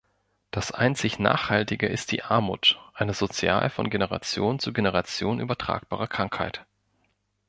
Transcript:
Das einzig Nachhaltige ist die Armut, eine sozial von Generation zu Generation übertragbare Krankheit.